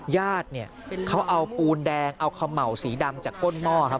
ญาติเนี่ยเขาเอาปูนแดงเอาเขม่าวสีดำจากก้นหม้อครับ